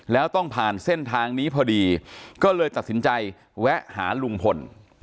แล้วต้องผ่านเส้นทางนี้พอดีก็เลยตัดสินใจแวะหาลุงพล